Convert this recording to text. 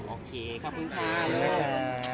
โอเคขอบคุณค่ะ